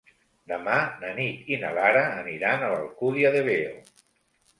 Demà na Nit i na Lara aniran a l'Alcúdia de Veo.